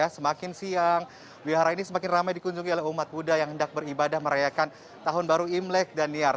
semakin siang wihara ini semakin ramai dikunjungi oleh umat buddha yang hendak beribadah merayakan tahun baru imlek daniar